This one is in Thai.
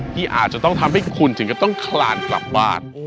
ที่อาจจะต้องทำให้คุณถึงกับต้องคลานกลับบ้าน